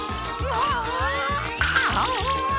ああ。